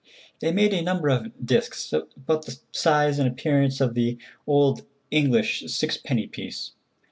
They made a number of disks, about the size and appearance of the old English six penny piece.